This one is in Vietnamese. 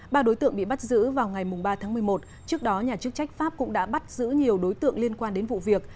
ba đối tượng bị bắt giữ vào ngày ba tháng một mươi một trước đó nhà chức trách pháp cũng đã bắt giữ nhiều đối tượng liên quan đến vụ việc